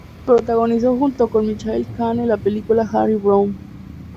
Protagonizó junto con Michael Cane la película "Harry Brown".